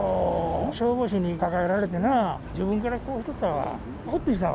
消防士に抱えられてな、自分からこういっとったわ。